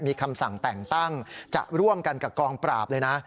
มีคำสั่งแต่งตั้งจะร่วมกันกับกองปราบเลยนะ